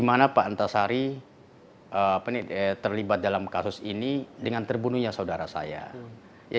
di mana pak antasari terlibat dalam kasus ini dengan terbunuhnya saudara saya